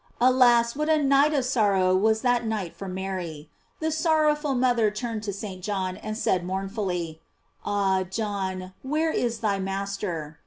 Alas ! what a night of sor row was that night for Mary ! The sorrowful mother turned to St. John, and said mournfully: Ah, John, where is thy master?